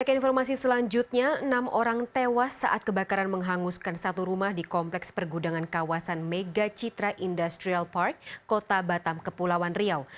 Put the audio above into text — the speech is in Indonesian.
ke informasi selanjutnya enam orang tewas saat kebakaran menghanguskan satu rumah di kompleks pergudangan kawasan mega citra industrial park kota batam kepulauan riau